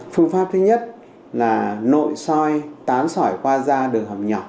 phương pháp thứ nhất là nội soi tán sỏi qua da đường hầm nhỏ